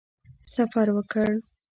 سفر وکړ.